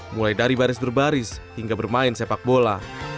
mulai dari baris berbaris hingga bermain sepak bola